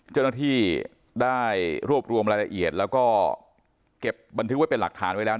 เจ้าหน้าที่ได้รวบรวมรายละเอียดแล้วก็เก็บบันทึกไว้เป็นหลักฐานไว้แล้ว